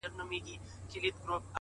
پر مځکه خپرېږي